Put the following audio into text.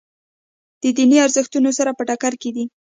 د دیني ارزښتونو سره په ټکر کې دي.